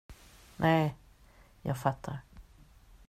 Nej, jag fattar.